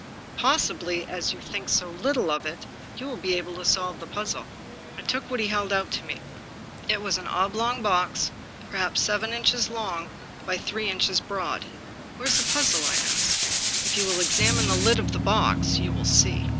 Possibly, as you think so little of it, you will be able to solve the puzzle." I took what he held out to me. It was an oblong box, perhaps seven inches long by three inches broad. " Where's the puzzle ?" I asked. " If you will examine the lid of the box, you will see."